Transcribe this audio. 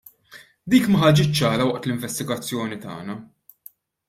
Dik ma ħarġitx ċara waqt l-investigazzjoni tagħna.